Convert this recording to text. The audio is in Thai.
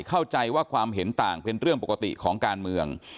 เข้าใจว่าความเห็นต่างเป็นเรื่องปกติของการเมือง